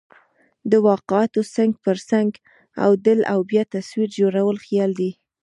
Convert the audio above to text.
د واقعاتو څنګ پر څنګ اوډل او بیا تصویر جوړل خیال دئ.